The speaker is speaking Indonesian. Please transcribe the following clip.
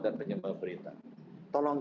dan penyebar berita tolong